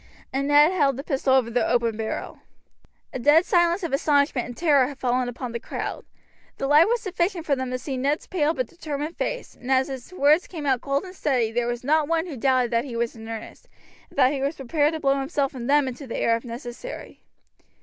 And Ned held the pistol over the open barrel. A dead silence of astonishment and terror had fallen upon the crowd. The light was sufficient for them to see Ned's pale but determined face, and as his words came out cold and steady there was not one who doubted that he was in earnest, and that he was prepared to blow himself and them into the air if necessary.